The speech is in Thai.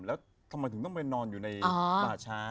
แล้วทำไมถึงต้องไปนอนอยู่ในป่าช้า